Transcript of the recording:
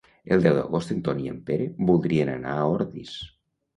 El deu d'agost en Ton i en Pere voldrien anar a Ordis.